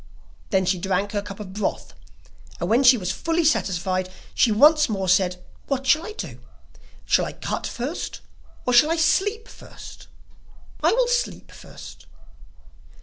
Then she drank her cup of broth and when she was fully satisfied, she once more said: 'What shall I do? Shall I cut first, or shall I sleep first? I will sleep first.